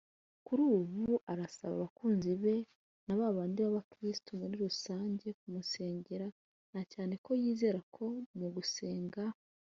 Kuri ubu arasaba abakunzi be b'abandi bakristo muri rusange kumusengera na cyane ko yizeye ko mu gusenga